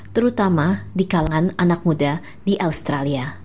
terutama di kalangan anak muda di australia